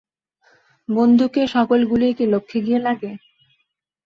বন্দুকের সকল গুলিই কি লক্ষ্যে গিয়ে লাগে?